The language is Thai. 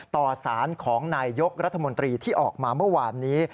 ต่อสารของนายยกรัฐมนตรีที่ออกมาเมื่อวานนี้